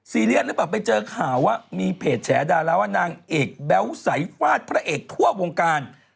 เรียนหรือเปล่าไปเจอข่าวว่ามีเพจแฉดาราว่านางเอกแบ๊วใสฟาดพระเอกทั่ววงการ